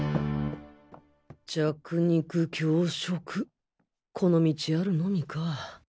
「弱肉強食此の道あるのみ」か。